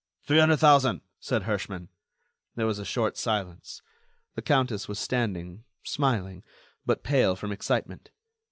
"Three hundred thousand," said Herschmann. There was a short silence. The countess was standing, smiling, but pale from excitement.